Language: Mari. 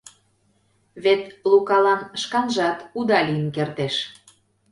Вет Лукалан шканжат уда лийын кертеш.